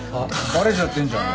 バレちゃってんじゃん。